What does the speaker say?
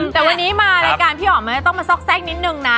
แต่วันนี้มารายการพี่อ๋อมมันจะต้องมาซอกแทรกนิดนึงนะ